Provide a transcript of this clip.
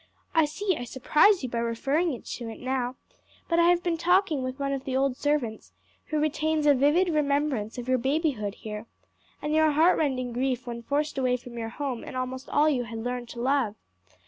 I see I surprise you by referring to it now, but I have been talking with one of the old servants who retains a vivid remembrance of your babyhood here, and your heart rending grief when forced away from your home and almost all you had learned to love.